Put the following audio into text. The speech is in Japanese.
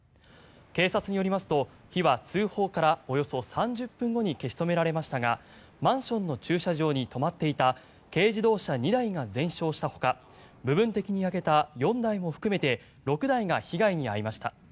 警察によりますと火は通報からおよそ３０分後に消し止められましたがマンションの駐車場に止まっていた軽自動車２台が全焼したほか部分的に焼けた４台も含めて６台が被害に遭いました。